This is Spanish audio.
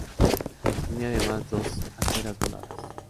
Tenía además dos aceras voladas.